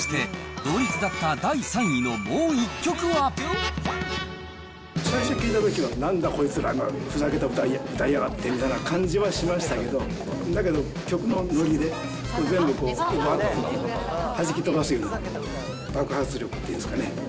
そして、最初聴いたときは、なんだこいつら、ふざけた歌、歌いやがってみたいな感じはしましたけど、だけど、曲の乗りで、全部こう、はじきとばすような、爆発力っていうんですかね。